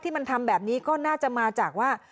มันทำแบบนี้ก็น่าจะมาจากว่า